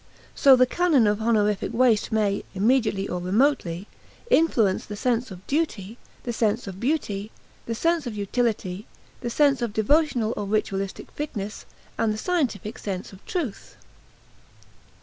So the canon of honorific waste may, immediately or remotely, influence the sense of duty, the sense of beauty, the sense of utility, the sense of devotional or ritualistic fitness, and the scientific sense of truth.